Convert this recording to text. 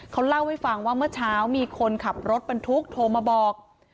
เขาเล่าให้ฟังว่าเมื่อเช้ามีคนขับรถบรรทุกโทรมาบอก